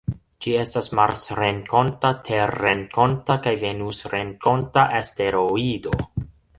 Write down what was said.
Ĝi estas marsrenkonta, terrenkonta kaj venusrenkonta asteroido.